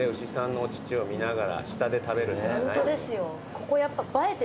ここやっぱ。